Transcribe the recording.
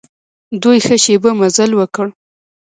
دوی ښه شېبه مزل وکړ.